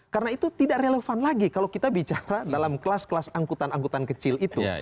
karena itu tidak relevan lagi kalau kita bicara dalam kelas kelas angkutan angkutan kecil itu